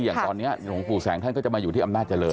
อย่างตอนนี้หลวงปู่แสงท่านก็จะมาอยู่ที่อำนาจเจริญ